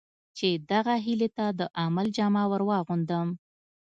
چې دغه هیلې ته د عمل جامه ور واغوندم.